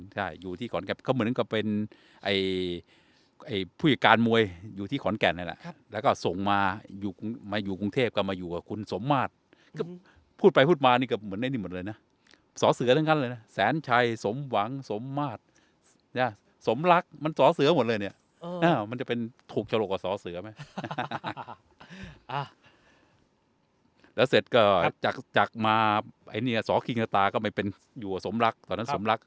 ใช่อยู่ที่ขอนแก่นเขาเหมือนกับเป็นไอ้ไอ้ผู้หญิงการมวยอยู่ที่ขอนแก่นแล้วครับแล้วก็ส่งมาอยู่มาอยู่กรุงเทพฯก็มาอยู่กับคุณสมหวังคำนุ่นครับแล้วก็ส่งมาอยู่มาอยู่กรุงเทพฯก็มาอยู่กับคุณสมหวังคำนุ่นครับแล้วก็ส่งมาอยู่กรุงเทพฯก็มาอยู่กับคุณสมหวังคำนุ่นครับแล้วก็ส่งมาอยู่